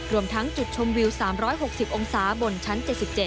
รวมทั้งจุดชมวิว๓๖๐องศาบนชั้น๗๗